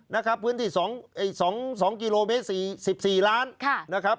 นะครับพื้นที่สองสองสองกิโลเมตรสี่สิบสี่ล้านค่ะนะครับ